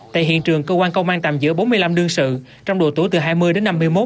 tại hiện trường cơ quan công an tạm giữ bốn mươi năm đương sự trong độ tuổi từ hai mươi đến năm mươi một